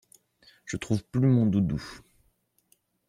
Je trouve plus mon doudou.